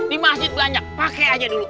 di masjid belanja pake aja dulu